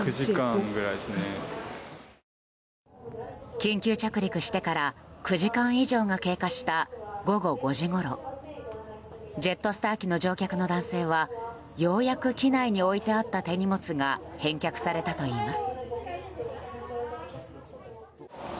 緊急着陸してから９時間以上が経過した午後５時ごろジェットスター機の乗客の男性はようやく機内に置いてあった手荷物が返却されたといいます。